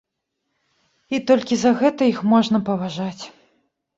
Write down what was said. І толькі за гэта іх можна паважаць.